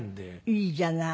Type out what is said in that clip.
いいじゃない。